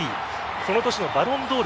その年のバロンドール